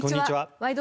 「ワイド！